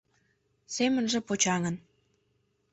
Семынже почаҥын.